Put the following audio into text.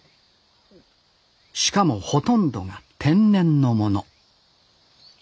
しかもほとんどが天然のもの